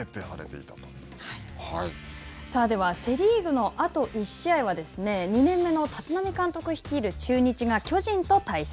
では、セ・リーグのあと１試合は、２年目の立浪監督率いる中日が巨人と対戦。